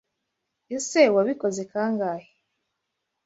Ese Wabikoze kangahe?